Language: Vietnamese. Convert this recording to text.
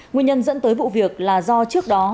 nguyên nhân dẫn tới vụ việc là do trước đó